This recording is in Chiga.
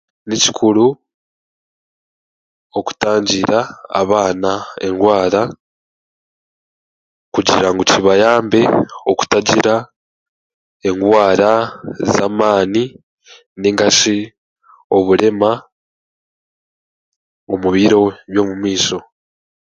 Ni kikuru okutangira abaana engwara okugira ngu kibayambe okutagira engwara ez'amaani nainga shi oburema omu biro by'omumaisho